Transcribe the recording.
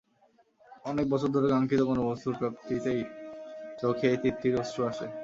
অনেক বছর ধরে কাঙ্ক্ষিত কোনো বস্তুর প্রাপ্তিতেই চোখে এই তৃপ্তির অশ্রু আসে।